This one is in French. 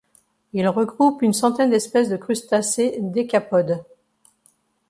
Il regroupe une centaine d'espèces de crustacés décapodes.